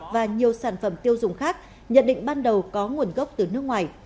và nhiều sản phẩm tiêu dùng khác nhận định ban đầu có nguồn gốc từ nước ngoài